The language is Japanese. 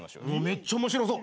めっちゃ面白そう。